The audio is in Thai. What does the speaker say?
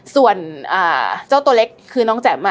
ส่วนเจ้าตัวเล็กคือน้องแจ๋ม